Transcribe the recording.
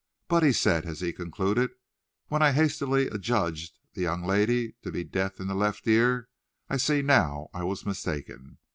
"But," he said, as he concluded, "when I hastily adjudged the young lady to be deaf in the left ear, I see now I was mistaken.